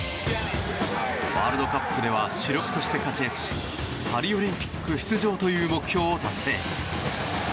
ワールドカップでは主力として活躍しパリオリンピック出場という目標を達成。